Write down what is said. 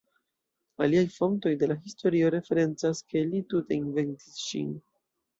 Aliaj fontoj de la historio referencas ke li tute inventis ŝin.